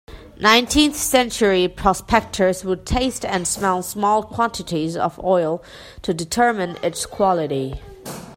Nineteenth-century prospectors would taste and smell small quantities of oil to determine its quality.